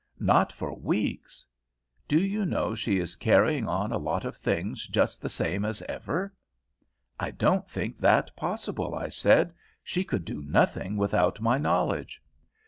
"Not for weeks." "Do you know she is carrying on a lot of things just the same as ever?" "I don't think that possible," I said; "she could do nothing without my knowledge."